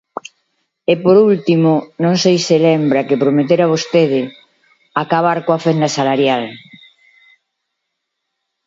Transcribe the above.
E, por último, non sei se lembra que prometera vostede acabar coa fenda salarial.